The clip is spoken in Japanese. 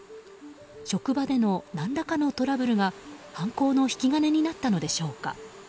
職場での何らかのトラブルが犯行の引き金になったのでしょうか。